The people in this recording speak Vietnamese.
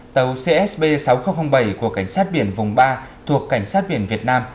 tàu csb sáu nghìn bảy của cảnh sát biển vùng ba thuộc cảnh sát biển việt nam